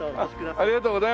ありがとうございます。